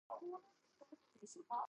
Hithercroft is also home to a squash club.